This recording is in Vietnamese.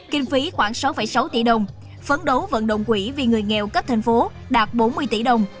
kinh phí khoảng sáu sáu tỷ đồng phấn đấu vận động quỹ vì người nghèo cấp thành phố đạt bốn mươi tỷ đồng